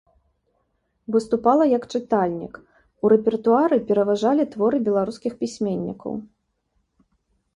Выступала як чытальнік, у рэпертуары пераважалі творы беларускіх пісьменнікаў.